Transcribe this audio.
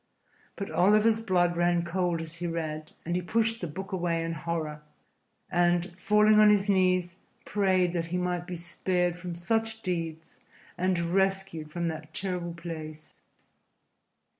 But Oliver's blood ran cold as he read, and he pushed the book away in horror, and, falling on his knees, prayed that he might be spared from such deeds and rescued from that terrible place.